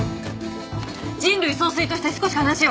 人類総帥として少し話を。